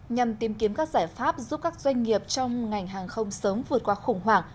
nhằm tìm kiếm các giải pháp giúp các doanh nghiệp trong ngành hàng không sớm vượt qua khủng hoảng